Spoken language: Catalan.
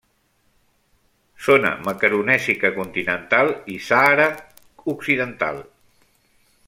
Zona macaronèsica continental i Sàhara occidental.